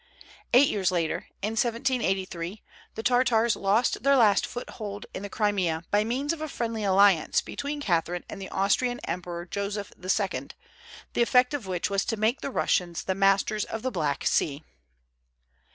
Eight years later, in 1783, the Tartars lost their last foothold in the Crimea by means of a friendly alliance between Catherine and the Austrian emperor Joseph II., the effect of which was to make the Russians the masters of the Black Sea.